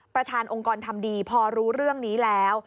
ประธานองค์กรทำดีพอรู้เรื่องนี้แล้ว